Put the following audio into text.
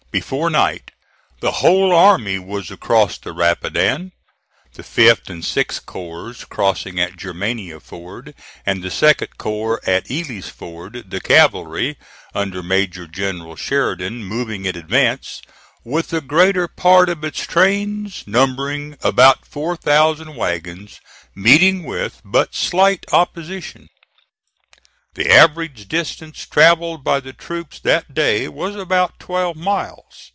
Before night, the whole army was across the Rapidan (the fifth and sixth corps crossing at Germania Ford, and the second corps at Ely's Ford, the cavalry, under Major General Sheridan, moving in advance,) with the greater part of its trains, numbering about four thousand wagons, meeting with but slight opposition. The average distance travelled by the troops that day was about twelve miles.